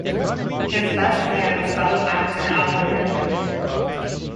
His best man was fellow actor Alan Rickman.